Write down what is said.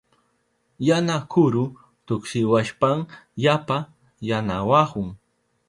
Yana kuru tuksiwashpan yapa nanawahun.